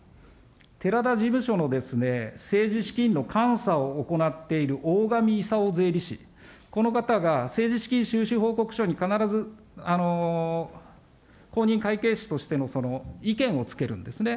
寺田事務所の政治資金の監査を行っているおおがみいさお税理士、この方が政治資金収支報告書に必ず公認会計士としてのその意見をつけるんですね。